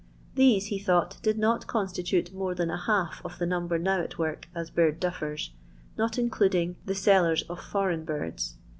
These, he thought, did not constitute more than a half of the number now at work as bird " duf fers," not including the sellers of foreign birds.